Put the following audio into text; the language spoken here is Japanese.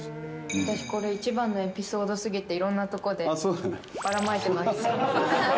私これ、一番のエピソードすぎて、いろんな所で、ばらまいています。